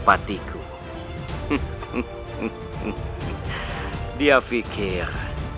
dan aku harus menemukanmu